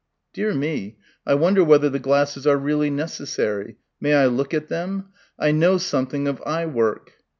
"Dear me ... I wonder whether the glasses are really necessary.... May I look at them?... I know something of eye work."